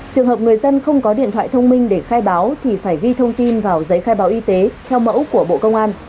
trường hợp người dân không có điện thoại thông minh để khai báo thì phải ghi thông tin vào giấy khai báo y tế theo mẫu của bộ công an